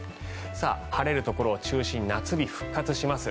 晴れるところを中心に夏日が復活します。